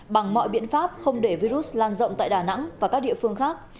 bằng mọi biện pháp không để virus lan rộng tại đà nẵng và các địa phương khác